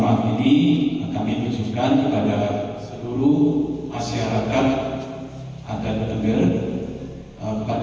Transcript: kami meminta maaf ini kami menyusulkan kepada seluruh masyarakat